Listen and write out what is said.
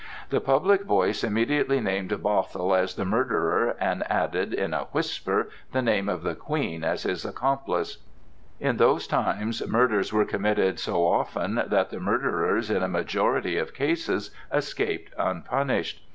The public voice immediately named Bothwell as the murderer and added, in a whisper, the name of the Queen as his accomplice. In those times murders were committed so often that the murderers in a majority of cases escaped unpunished.